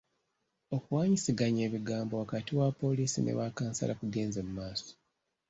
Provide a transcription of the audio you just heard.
Okuwaanyisiganya ebigambo wakati wa poliisi ne bakkansala kugenze mu maaso .